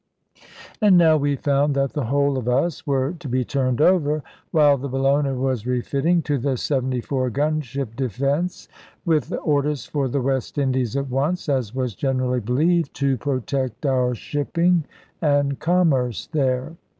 And now we found that the whole of us were to be turned over, while the Bellona was refitting, to the 74 gun ship Defence, with orders for the West Indies at once as was generally believed to protect our shipping and commerce there.